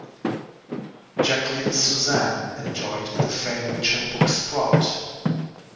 Jacqueline Susann enjoyed the fame which her books brought.